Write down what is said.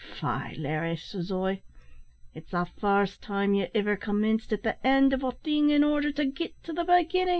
`Faix, Larry,' says I, `it's the first time ye iver comminced at the end of a thing in order to git to the beginnin'.'